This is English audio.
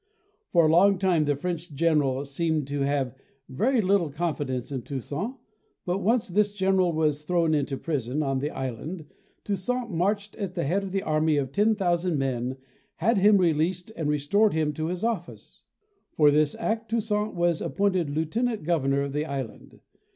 For a long time the French general seemed to have very little confidence in Toussaint, but once this general was thrown into prison on the island. Toussaint marched at the head of an army of 10,000 men, had him released and restored him to his office. For this act Toussaint was ap pointed lieutenant governor of the island.